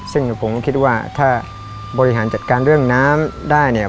ซึ่งผมก็คิดว่าถ้าบริหารจัดการเรื่องน้ำได้เนี่ย